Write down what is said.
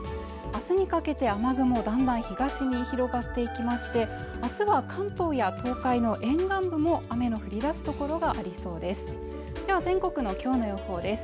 明日にかけて雨雲だんだん東に広がっていきましてあすは関東や東海の沿岸部も雨の降りだす所がありそうです